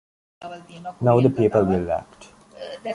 Now the people will act.